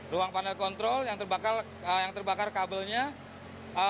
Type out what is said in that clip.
ruang panel kontrol yang terbakar kabelnya